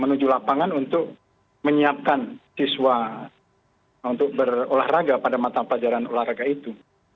menuju lapangan untuk menyiapkan siswa untuk berolahraga pada mata pelajaran olahraga itu